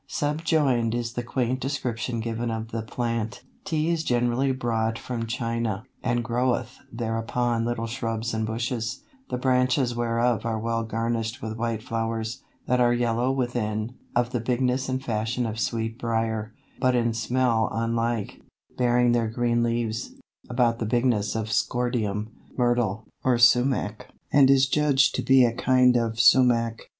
Subjoined is the quaint description given of the plant: "Tea is generally brought from China, and groweth there upon little shrubs and bushes, the branches whereof are well garnished with white flowers, that are yellow within, of the bigness and fashion of sweet briar, but in smell unlike, bearing their green leaves, about the bigness of scordium, myrtle, or sumach, and is judged to be a kind of sumach.